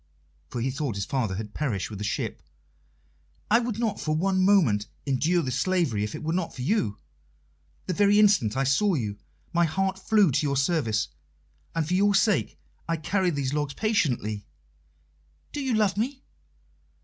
For he thought his father had perished with the ship. "I would not for one moment endure this slavery if it were not for you. The very instant I saw you my heart flew to your service, and for your sake I carry these logs patiently." "Do you love me?"